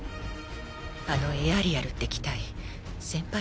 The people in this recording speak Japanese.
あのエアリアルって機体先輩